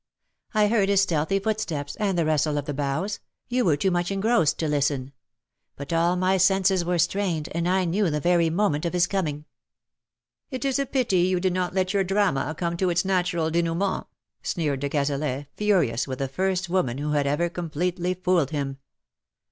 I heard his • stealthy footsteps, and the rustle of the boughs — you were too much engrossed to listen ; but all my senses were strained, and I knew the very moment of his coming." ^' It was a pity you did not let your drama come to its natural denouement," sneered de Cazalet, furious with the first woman who had ever com pletely fooled him.